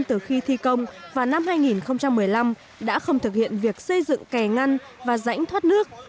từ khi thi công vào năm hai nghìn một mươi năm đã không thực hiện việc xây dựng kè ngăn và rãnh thoát nước